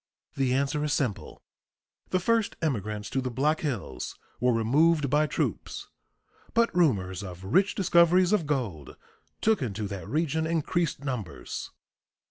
The answer is simple: The first immigrants to the Black Hills were removed by troops, but rumors of rich discoveries of gold took into that region increased numbers.